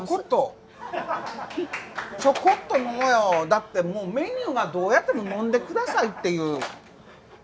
だってもうメニューがどうやっても飲んでくださいっていう。